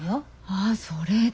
あそれで。